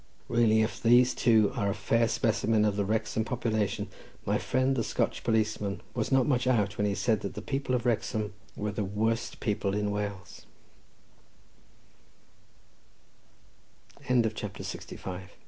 Really, if these two are a fair specimen of the Wrexham population, my friend the Scotch policeman was not much out when he said that the people of Wrexham were the worst peop